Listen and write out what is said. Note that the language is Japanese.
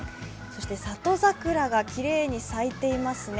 そして里桜がきれいに咲いていますね。